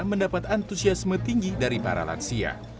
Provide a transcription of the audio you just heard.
mendapat antusiasme tinggi dari para lansia